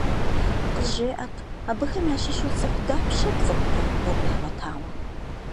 КъызжеӀэт: абыхэм ящыщу цӏыху дапщэ пцӀыхурэ гъуэгу ягъуэтауэ?